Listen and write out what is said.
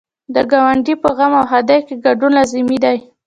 د ګاونډي په غم او ښادۍ کې ګډون لازمي دی.